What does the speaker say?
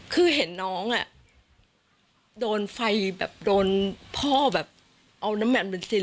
คือเห็นน้องอ่ะโดนไฟแบบโดนพ่อแบบเอาน้ำมันเบนซิน